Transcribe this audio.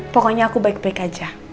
pokoknya aku baik baik aja